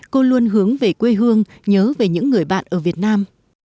cô luôn hướng về quê hương nhớ về những người bạn ở việt nam